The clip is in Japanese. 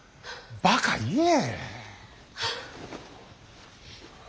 ばか言え。